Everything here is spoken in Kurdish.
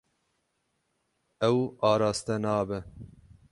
Ew araste nabe.